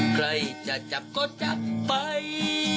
ใครจะจับก็จับไป